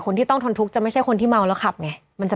คนที่ต้องทนทุกข์จะไม่ใช่คนที่เมาแล้วขับไง